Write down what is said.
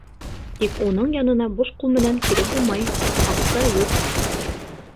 Тик уның янына буш ҡул менән килеп булмай, аҡса юҡ.